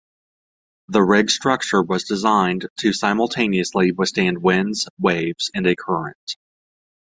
The rig's structure was designed to simultaneously withstand winds, waves, and a current.